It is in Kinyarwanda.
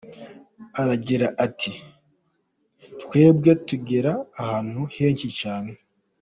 Aragira, ati “twebwe tugera ahantu henshi cyane.